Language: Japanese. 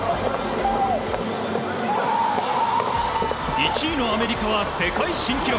１位のアメリカは世界新記録。